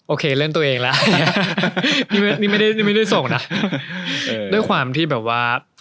โอเคเล่นตัวเองแล้วนี่ไม่ได้ไม่ได้ส่งนะด้วยความที่แบบว่า